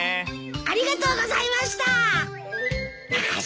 ありがとうございましたあ！